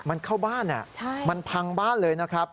มันเข้าบ้านมันพังบ้านเลยนะครับ